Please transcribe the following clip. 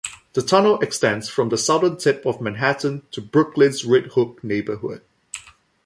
The tunnel extends from the southern tip of Manhattan to Brooklyn's Red Hook neighborhood.